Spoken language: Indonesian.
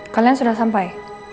kalian sudah sampai